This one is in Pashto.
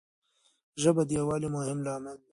ژبه د یووالي مهم لامل دی.